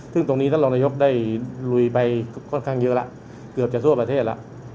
ซึ่งตรงนี้ท่านรองนายกได้ลุยไปค่อนข้างเยอะแล้วเกือบจะทั่วประเทศแล้ว